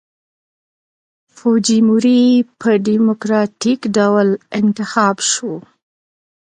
فوجیموري په ډیموکراټیک ډول انتخاب شو.